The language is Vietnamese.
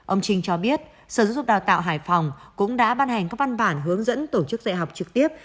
ông trinh cho biết sở giáo dục đào tạo hải phòng cũng đã ban hành các văn bản hướng dẫn tổ chức dạy học trực tiếp